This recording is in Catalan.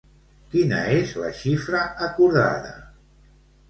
Quina és la xifra acordada?